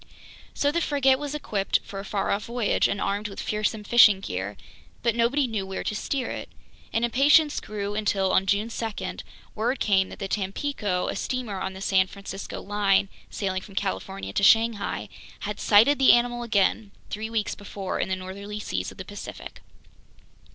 So the frigate was equipped for a far off voyage and armed with fearsome fishing gear, but nobody knew where to steer it. And impatience grew until, on June 2, word came that the Tampico, a steamer on the San Francisco line sailing from California to Shanghai, had sighted the animal again, three weeks before in the northerly seas of the Pacific.